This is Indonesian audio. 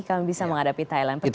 kami bisa menghadapi thailand